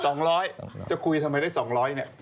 สองร้อยจะคุยทำไมถ้าได้สองร้อย